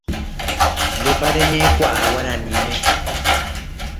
Ndépa reñe'ẽkuaa guaraníme.